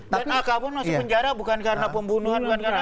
dan alka pun masuk penjara bukan karena pembunuhan